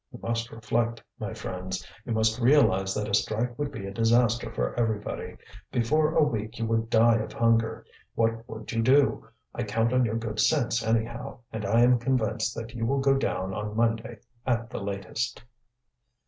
You must reflect, my friends; you must realize that a strike would be a disaster for everybody. Before a week you would die of hunger. What would you do? I count on your good sense, anyhow; and I am convinced that you will go down on Monday, at the latest."